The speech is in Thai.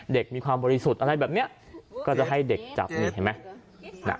มีความบริสุทธิ์อะไรแบบนี้ก็จะให้เด็กจับนี่เห็นไหม